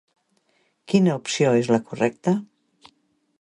Quina opció era la correcta?